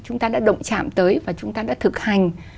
chúng ta đã động chạm tới và chúng ta đã thực hành